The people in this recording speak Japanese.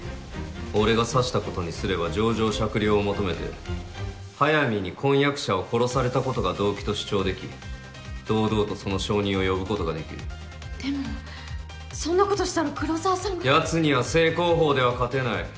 俺が刺したことにすれば情状酌量を求めて「速水に婚約者を殺されたことが動機」と主張でき堂々とその証人を呼ぶことができるでもそんなことしたら黒澤さんがヤツには正攻法では勝てない。